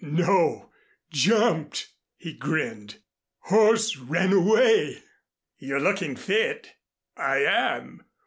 "No, jumped," he grinned. "Horse ran away." "You're looking fit." "I am.